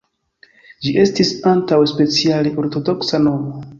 Ĝi estis antaŭe speciale ortodoksa nomo.